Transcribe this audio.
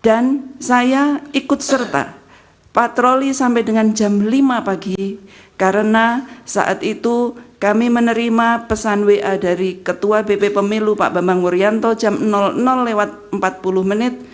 dan saya ikut serta patroli sampai dengan lima pagi karena saat itu kami menerima pesan wa dari ketua bp pemilu pak bambang wuryanto jam lewat empat puluh menit